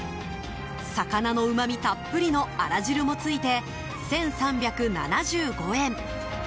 魚のうまみたっぷりのあら汁もついて１３７５円。